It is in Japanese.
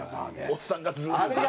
おっさんがずっと。